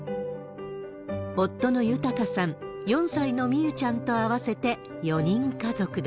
夫の裕さん、４歳の美柚ちゃんと合わせて４人家族だ。